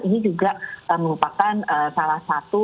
ini juga merupakan salah satu